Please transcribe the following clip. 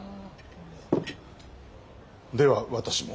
では私も。